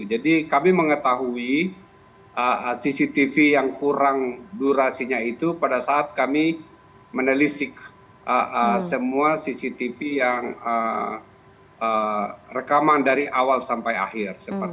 jadi kami mengetahui cctv yang kurang durasinya itu pada saat kami menelisik semua cctv yang rekaman dari awal sampai akhir